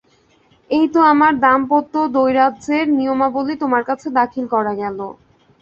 –এই তো আমার দাম্পত্য দ্বৈরাজ্যের নিয়মাবলী তোমার কাছে দাখিল করা গেল।